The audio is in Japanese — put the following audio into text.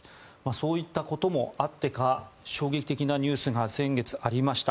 そういったこともあってか衝撃的なニュースが先月、ありました。